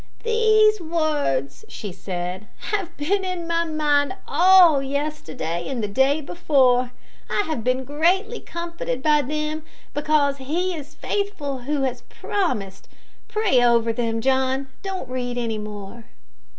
"These words," she said, "have been in my mind all yesterday and the day before. I have been greatly comforted by them, because `He is faithful who has promised.' Pray over them, John; don't read any more."